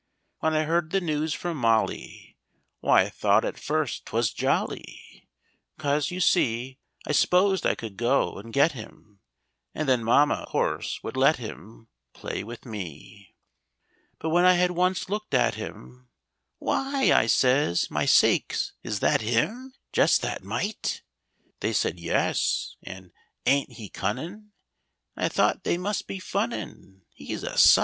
When I heard the news from Molly, Why, I thought at first 't was jolly, 'Cause, you see, I s'posed I could go and get him And then Mama, course, would let him Play with me. But when I had once looked at him, "Why!" I says, "My sakes, is that him? Just that mite!" They said, "Yes," and, "Ain't he cunnin'?" And I thought they must be funnin', He's a _sight!